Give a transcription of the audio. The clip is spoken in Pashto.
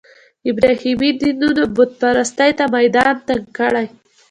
ابراهیمي دینونو بوت پرستۍ ته میدان تنګ کړی.